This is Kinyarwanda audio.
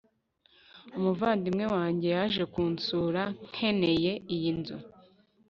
umuvandimwe wanjye yaje kunsura, nkeneye iyi nzu